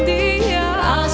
tercipta bersama kakak